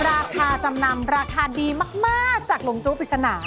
ราคาจำนำราคาดีมากจากหลงจู้ปริศนา